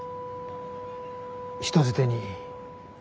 人づてに。